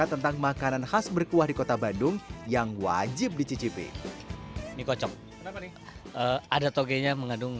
kenapa nih cuanki yang pertama